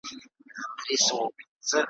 نه په ژمي نه په دوبي کي وزګار وو ,